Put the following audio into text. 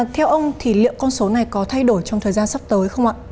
theo ông thì liệu con số này có thay đổi trong thời gian sắp tới không ạ